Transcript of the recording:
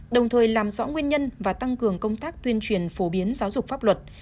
đồng thời làm rõ nguyên nhân và tăng cường công tác tuyên truyền phổ biến giáo dục pháp luật